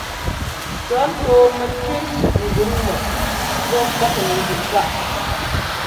Cɔ̌ ntɔɔmɛtẅín gʉŋ mɔ ḿbɔ́ ḿbaklɛ zʉꞌ páꞌ.